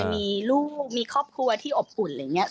มีลูกมีครอบครัวที่อบอุ่นอะไรอย่างนี้